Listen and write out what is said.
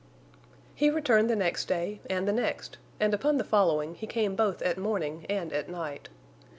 He returned the next day, and the next; and upon the following he came both at morning and at night.